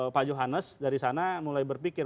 pak johannes dari sana mulai berpikir